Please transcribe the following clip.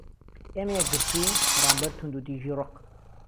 ئێمە یەكگرتووین بەرامبەر تووندوتیژی و رق